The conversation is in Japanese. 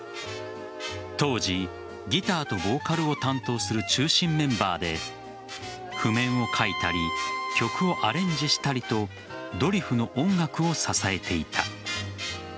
当時ギターとボーカルを担当する中心メンバーで譜面を書いたり曲をアレンジしたりとドリフの音楽を支えていた。